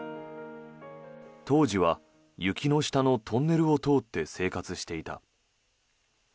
当時は雪の下のトンネルを通って生活していた。